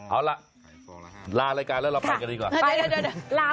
เอาละลารายการแล้วเราไปกันดีกว่า